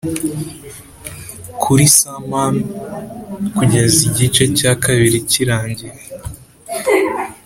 kuri san mames kugeza igice cya kabiri kirangiye